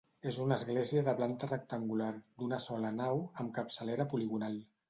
És una església de planta rectangular, d'una sola nau, amb capçalera poligonal.